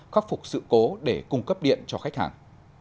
khắc phục sự cố để cung cấp điện cho khách hàng